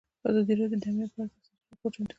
ازادي راډیو د امنیت په اړه تفصیلي راپور چمتو کړی.